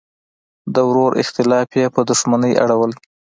د ورور اختلاف یې په دوښمنۍ اړولی.